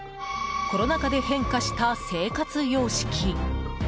コロナ禍で変化した生活様式。